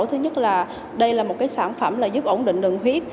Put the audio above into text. thứ nhất là đây là một sản phẩm giúp ổn định đường huyết